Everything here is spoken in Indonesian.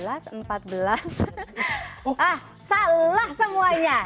ah salah semuanya